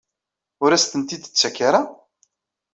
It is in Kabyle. Ur asent-t-id-tettak ara?